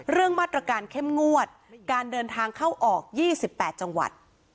เรื่องมาตรการเข้มงวดการเดินทางเข้าออก๒๘จังหวัด